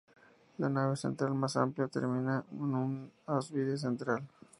La nave central más amplia termina en un ábside central.